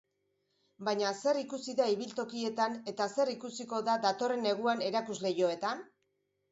Baina zer ikusi da ibiltokietan eta zer ikusiko da datorren neguan erakusleihoetan?